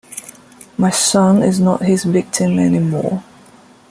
My son is not his victim anymore.